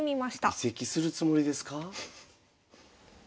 移籍するつもりですか？